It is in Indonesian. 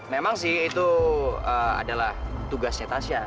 memang sih itu adalah tugasnya tasya